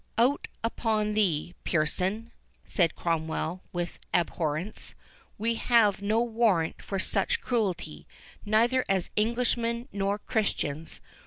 "Out upon thee, Pearson!" said Cromwell, with abhorrence; "we have no warrant for such cruelty, neither as Englishmen nor Christians.